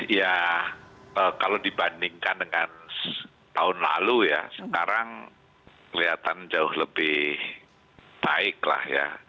ya kalau dibandingkan dengan tahun lalu ya sekarang kelihatan jauh lebih baik lah ya